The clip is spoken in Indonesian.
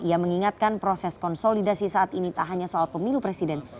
ia mengingatkan proses konsolidasi saat ini tak hanya soal pemilu presiden